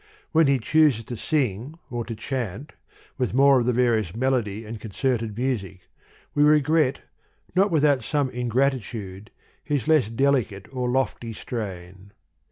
When he chooses to sing or to chaunt, with more of various melody and concerted music, we regret, not with out some ingratitude, his less delicate or lofty strain.